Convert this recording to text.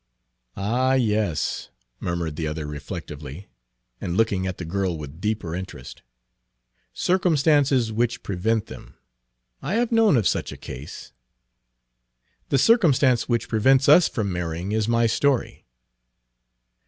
"Ah yes," murmured the other reflectively, and looking at the girl with deeper interest, "circumstances which prevent them. I have known of such a case." "The circumstance which prevents us from marrying is my story."